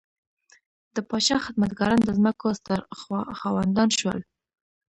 د پاچا خدمتګاران د ځمکو ستر خاوندان شول.